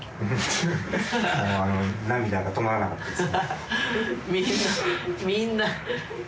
もう涙が止まらなかったです。